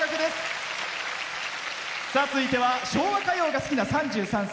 続いては昭和歌謡が好きな３３歳。